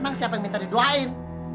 emang siapa yang minta didoain